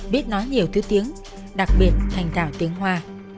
biết nói nhiều thứ tiếng đặc biệt thành tạo tiếng hoa